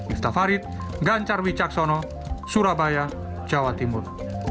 iftafarit gancharwi caksono surabaya jawa timur